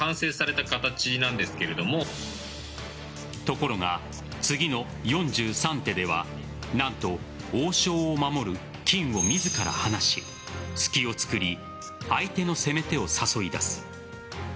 ところが次の４３手では何と王将を守る金を自ら離し隙をつくり相手の攻め手を誘い出す。